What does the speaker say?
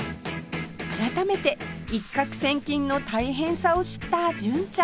改めて一獲千金の大変さを知った純ちゃん